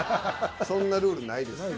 そんなルールないです。